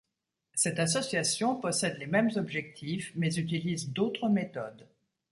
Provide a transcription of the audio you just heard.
Cette association possède les mêmes objectifs mais utilise d'autres méthodes.